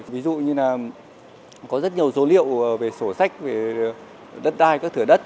ví dụ như là có rất nhiều số liệu về sổ sách về đất đai các thửa đất